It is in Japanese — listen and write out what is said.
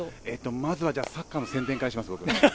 まずはサッカーの宣伝からしますよ。